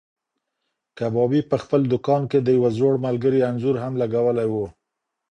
کبابي په خپل دوکان کې د یو زوړ ملګري انځور هم لګولی و.